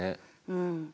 うん。